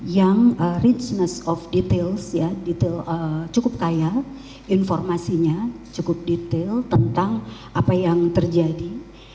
yang richness of details cukup kaya informasinya cukup detail tentang apa yang terjadi